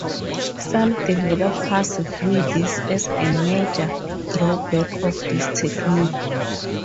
Some developers view this as a major drawback of this technique.